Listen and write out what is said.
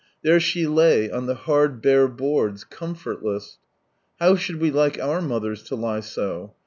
There she lay, on the hard bare boards, com/ortltss. How should we like our mothers to lie so?